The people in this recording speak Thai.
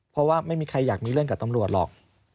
เพราะว่าไม่มีใครอยากมีเรื่องกับตำรวจหรอก